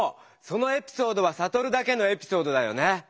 そのエピソードはサトルだけのエピソードだよね。